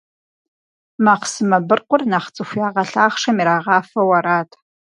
Махъсымэ быркъур нэхъ цӀыху ягъэлъахъшэм ирагъафэу арат.